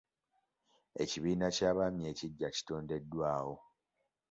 Ekibiina ky'abaami ekiggya kitondeddwawo.